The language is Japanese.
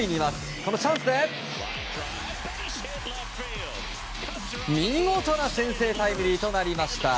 このチャンスで、見事な先制タイムリーとなりました